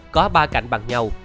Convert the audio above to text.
có ba cạnh bằng nhau